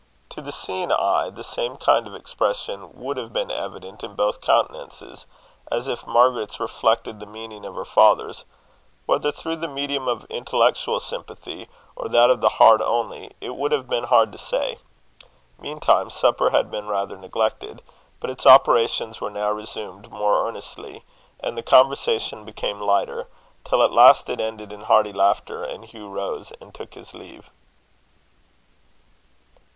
To the seeing eye, the same kind of expression would have been evident in both countenances, as if Margaret's reflected the meaning of her father's; whether through the medium of intellectual sympathy, or that of the heart only, it would have been hard to say. Meantime supper had been rather neglected; but its operations were now resumed more earnestly, and the conversation became lighter; till at last it ended in hearty laughter, and Hugh rose and took his leave.